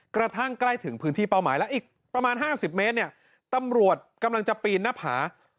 กระทั่งใกล้ถึงพื้นที่เป้าหมายแล้วอีกประมาณ๕๐เมตรเนี่ยตำรวจกำลังจะปีนหน้าผา